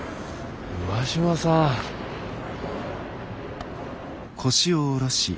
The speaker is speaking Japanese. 上嶋さん。